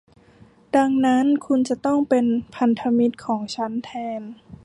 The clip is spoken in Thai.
ดังนั้นคุณจะต้องเป็นพันธมิตรของฉันแทน